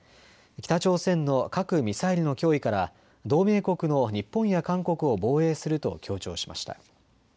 北朝鮮の核・ミサイルの脅威から同盟国の日本や韓国を防衛すると強調しました。